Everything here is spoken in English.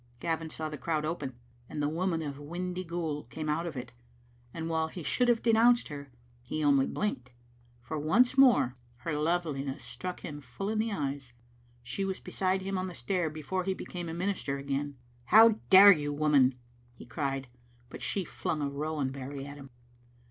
Gavin saw the crowd open, and the woman of Windy ghoul come out of it, and, while he should have de nounced her, he only blinked, for once more her loveliness struck him full in the eyes. She was beside him on the stair before he became a minister again. " How dare you, woman?" he cried; but she flung a rowan berry at him.